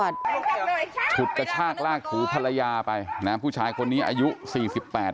ฉุดกระชากลากถูภรรยาไปนะฮะผู้ชายคนนี้อายุสี่สิบแปด